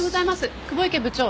久保池部長。